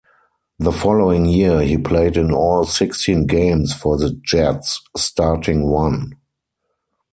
The following year, he played in all sixteen games for the Jets, starting one.